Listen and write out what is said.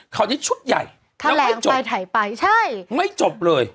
คราวนี้ชุดใหญ่แล้วไม่จบไม่จบเลย